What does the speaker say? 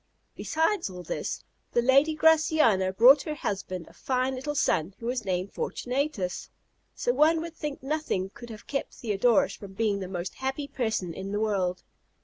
Besides all this, the lady Graciana brought her husband a fine little son, who was named Fortunatus; so one would think nothing could have kept Theodorus from being the most happy person in the world.